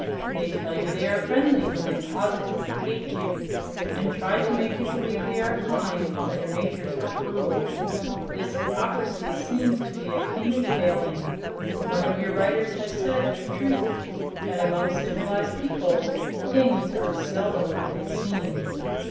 They tell you they are friendly when they positively hate you, and try to make you believe they are kind when their natures are cruel. This hypocrisy seems to be a human failing. One of your writers has said, with truth, that among civilized people things are seldom what they seem."